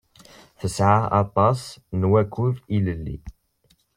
Tesɛa aṭas n wakud ilelli.